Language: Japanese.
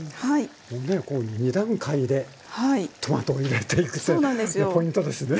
もうねこう２段階でトマトを入れていくってもうポイントですね。